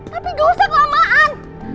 tapi gak usah kelamaan